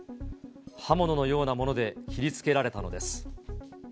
刃物のようなもので切りつけられたのです。